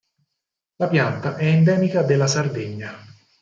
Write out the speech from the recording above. La pianta è endemica della Sardegna.